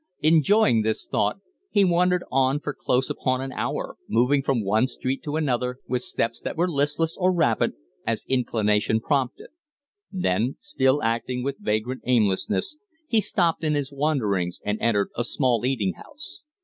Enjoying this thought, he wandered on for close upon an hour, moving from one street to another with steps that were listless or rapid, as inclination prompted; then, still acting with vagrant aimlessness, he stopped in his wanderings and entered a small eating house.